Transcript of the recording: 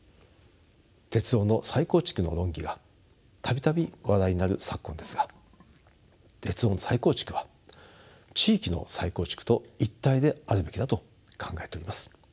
鉄道の再構築の論議が度々話題になる昨今ですが鉄道の再構築は地域の再構築と一体であるべきだと考えております。